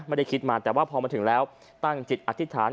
ไม่ได้คิดมาแต่ว่าพอมาถึงแล้วตั้งจิตอธิษฐาน